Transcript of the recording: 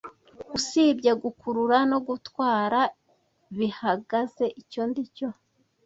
Usibye gukurura no gutwara bihagaze icyo ndi cyo,